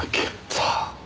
さあ。